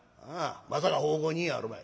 まさか奉公人やあるまい。